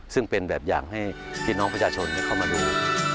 ซึ่งเป็นแบบอย่างให้พี่น้องประชาชนเข้ามารู้